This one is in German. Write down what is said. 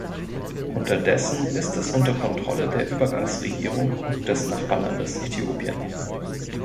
Unterdessen ist es unter Kontrolle der Übergangsregierung und des Nachbarlandes Äthiopien.